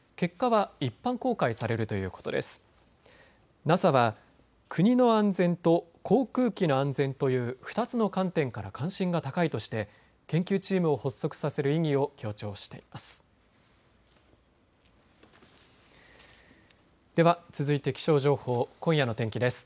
ＮＡＳＡは国の安全と航空機の安全という２つの観点から関心が高いとして研究チームを発足させる意義を強調しています。